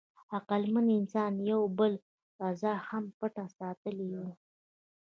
عقلمن انسان یو بل راز هم پټ ساتلی و.